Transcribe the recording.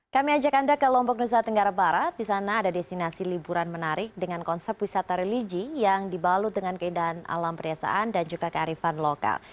kami ajak anda ke lombok nusa tenggara barat di sana ada destinasi liburan menarik dengan konsep wisata religi yang dibalut dengan keindahan alam perdesaan dan juga kearifan lokal